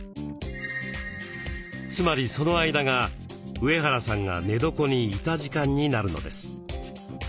つまりその間が上原さんが寝床にいた時間になるのです。